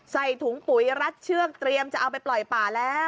ใส่ถุงปุ๋ยรัดเชือกเตรียมจะเอาไปปล่อยป่าแล้ว